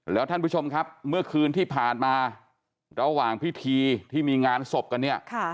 แล้วท่านผู้ชมครับเมื่อคืนที่ผ่านมาระหว่างพิธีที่มีงานศพกันเนี่ย